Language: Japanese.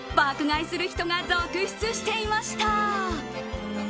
買いする人が続出していました。